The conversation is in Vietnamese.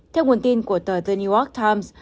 theo nguồn tin của tờ the new york times